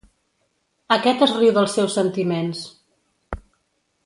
Aquest es riu dels seus sentiments.